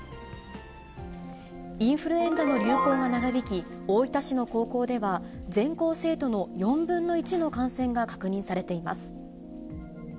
インフルエンザの流行が長引き、大分市の高校では、全校生徒の４分の１の感染が確認されています。